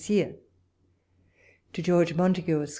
CYR. To George Montagu, Esq.